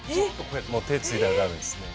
もう手ぇついたら駄目ですね